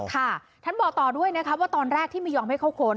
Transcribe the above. ค่ะท่านบอกต่อด้วยนะคะว่าตอนแรกที่ไม่ยอมให้เข้าค้น